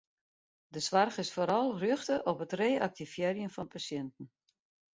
De soarch is foaral rjochte op it reaktivearjen fan pasjinten.